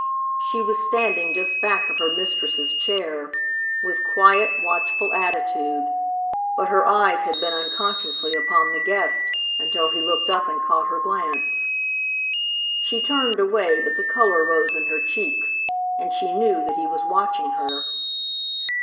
She was standing just back of her mistress's chair, with quiet, watchful attitude, but her eyes had been unconsciously upon the guest, until he looked up and caught her glance. She turned away, but the color rose in her cheeks, and she knew that he was watching her.